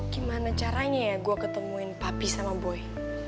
gimana caranya ya gue ketemuin papi sama boy